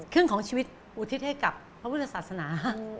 ครึ่งของชีวิตอุทิศให้กับพระพุทธศาสนา